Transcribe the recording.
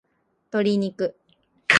鶏肉